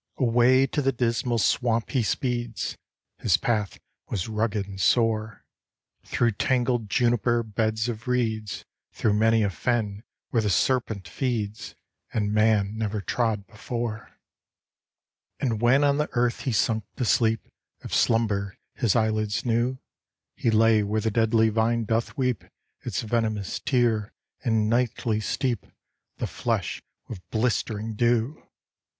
Away to the Dismal Swamp he speeds, — His path was rugged and sore, Through tangled juniper, beds of reeds, Through many a fen where the serpent feeds, And man never trod before! D,gt,, erihyGOOglC The Lake of the Dismal Swamp And when on the earth he sunk to sleep, If slumber his eyelids knew, He lay where the deadly vine doth weiep Its venomous tear, and nightly steep The flesh with blistering dew!